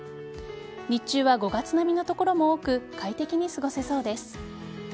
日中は５月並みの所も多く快適に過ごせそうです。